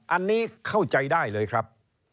อันนี้เข้าใจได้เลยครับ